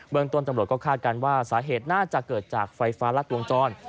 เบื้องตัวจำโรธก็คาดกันว่าสาเหตุน่าจะเกิดจากไฟฟ้ารักวงจร